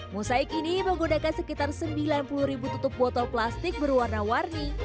mosaik ini menggunakan sekitar sembilan puluh ribu tutup botol plastik berwarna warni